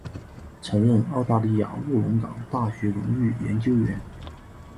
曾任澳大利亚卧龙岗大学荣誉研究员。